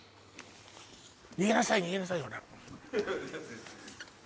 逃げなさい逃げなさいほら